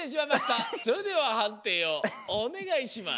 それでははんていをおねがいします。